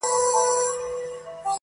سړي وویل حاکمه ستا قربان سم!!